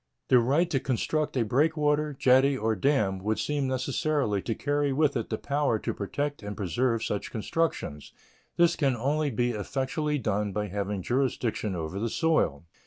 The right to construct a breakwater, jetty, or dam would seem necessarily to carry with it the power to protect and preserve such constructions. This can only be effectually done by having jurisdiction over the soil.